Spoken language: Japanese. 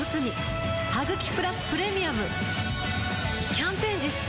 キャンペーン実施中